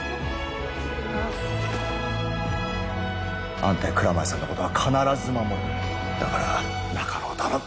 あんたや蔵前さんのことは必ず守るだから中野を頼む